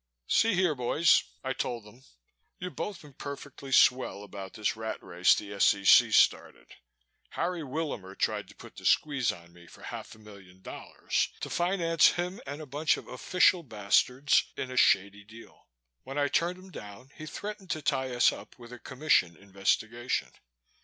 "See here, boys," I told them. "You've both been perfectly swell about this rat race the S.E.C. started. Harry Willamer tried to put the squeeze on me for half a million dollars to finance him and a bunch of official bastards in a shady deal. When I turned him down he threatened to tie us up with a Commission investigation.